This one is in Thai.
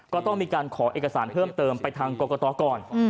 ก็ต้องมีการขอเอกสารเพิ่มเติมไปทางกรกตก่อน